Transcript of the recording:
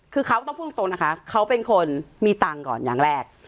คือเขาต้องพูดตรงนะคะเขาเป็นคนมีตังค์ก่อนอย่างแรก